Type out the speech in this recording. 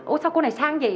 ủa sao cô này sang vậy